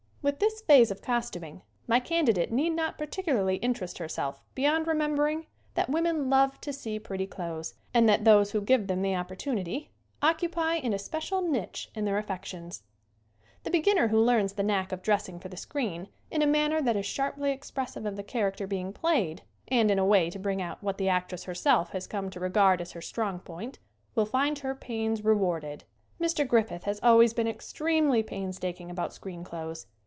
With this phase of costuming my candidate need not particularly interest herself beyond remembering that women love to see pretty clothes and that those who give them the op portunity occupy an especial niche in their af fections. The beginner who learns the knack of dress ing for the screen in a manner that is sharply expressive of the character being played, and, in a way to bring out what the actress herself has come to regard as her strong point, will find her pains rewarded. 68 SCREEN ACTING Mr. Griffith has always been extremely painstaking about screen clothes.